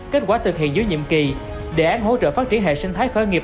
kết quả thực hiện dưới nhiệm kỳ đề án hỗ trợ phát triển hệ sinh thái khởi nghiệp